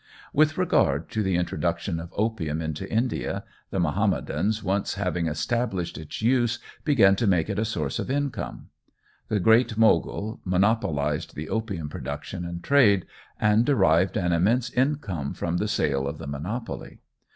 With regard to the introduction of opium into India, the Mahomedans once having established its use began to make it a source of income. The Great Mogul monopolized the opium production and trade, and derived an immense income from the sale of the monopoly.